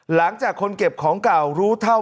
หลังจากคนเก็บของเก่ารู้เท่า